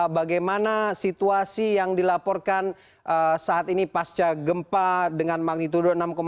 bagaimana situasi yang dilaporkan saat ini pasca gempa dengan magnitudo enam satu